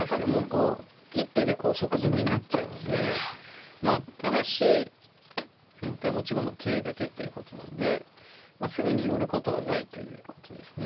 もうこう一手でこう即詰みになっちゃうのでまあただし先手は持ち駒桂だけということなんですぐに寄ることはないということですね。